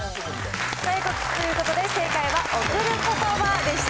ということで、正解は贈る言葉でした。